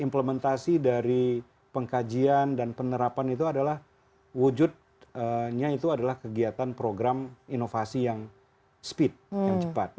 implementasi dari pengkajian dan penerapan itu adalah wujudnya itu adalah kegiatan program inovasi yang speed yang cepat